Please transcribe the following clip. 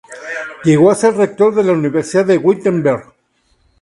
Llegó a ser rector de la Universidad de Wittenberg.